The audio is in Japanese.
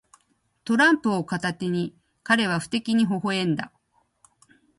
トランプを片手に、彼は不敵にほほ笑んだ。